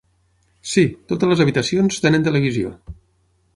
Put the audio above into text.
Sí, totes les habitacions tenen televisió.